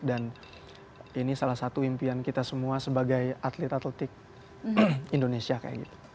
dan ini salah satu impian kita semua sebagai atlet atletik indonesia kayak gitu